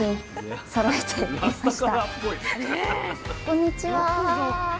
こんにちは！